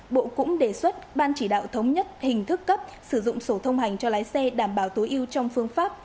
bộ cũng đề xuất ban chỉ đạo thống nhất hình thức cấp sử dụng sổ thông hành cho lái xe đảm bảo tối ưu trong phương pháp